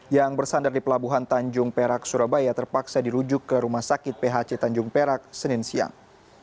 yang bersandar di pelabuhan tanjung perak surabaya terpaksa dirujuk ke rumah sakit phc tanjung perak senin siang